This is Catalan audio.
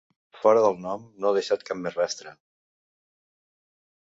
Fora del nom no ha deixat cap més rastre.